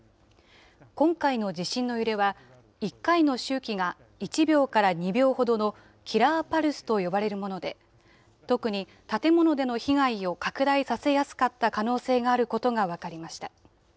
今回の地震の揺れは、１回の周期が１秒から２秒ほどの、キラーパルスと呼ばれるもので、特に建物での被害を拡大させやすかった可能性があることが分かりました。